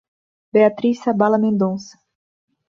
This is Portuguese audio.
Beatriz Sabala Mendonca